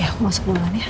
ya aku masuk duluan ya